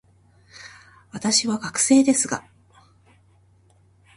私は学生ですが、